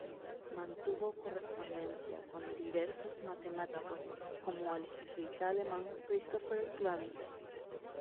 Mantuvo correspondencia con diversos matemáticos, como el jesuita alemán Christopher Clavius.